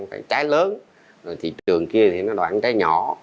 phải trái lớn thị trường kia thì nó đòi ăn trái nhỏ